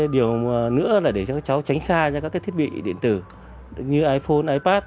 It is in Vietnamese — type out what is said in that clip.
điều nữa là để cho các cháu tránh xa ra các thiết bị điện tử như iphone ipad